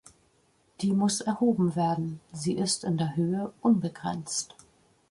Die muss erhoben werden, sie ist in der Höhe unbegrenzt.